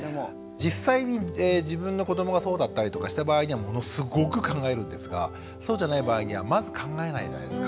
実際に自分の子どもがそうだったりとかした場合にはものすごく考えるんですがそうじゃない場合にはまず考えないじゃないですか。